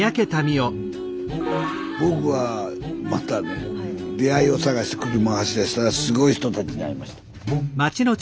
僕はまたね出会いを探して車走らせたらすごい人たちに会いました。